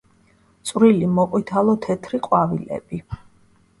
წვრილი მოყვითალო-თეთრი ყვავილები.